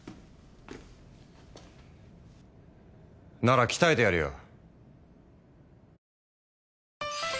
なら鍛えてやるよ。